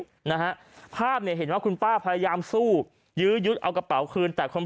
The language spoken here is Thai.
นะฮะภาพเนี่ยเห็นว่าคุณป้าพยายามสู้ยื้อยึดเอากระเป๋าคืนแต่คน